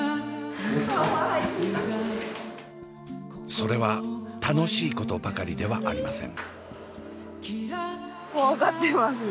それは楽しいことばかりではありません。